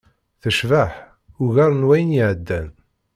Tecbeḥ, ugar n wayen iɛeddan.